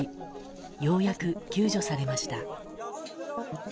ようやく救助されました。